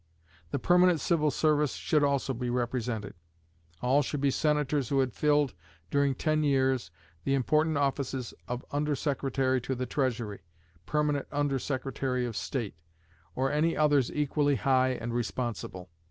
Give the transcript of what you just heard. The permanent civil service should also be represented; all should be senators who had filled, during ten years, the important offices of under secretary to the Treasury, permanent under secretary of State, or any others equally high and responsible.